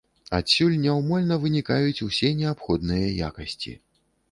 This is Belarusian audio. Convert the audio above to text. Адсюль няўмольна вынікаюць усе неабходныя якасці.